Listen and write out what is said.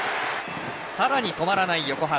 さらに止まらない横浜。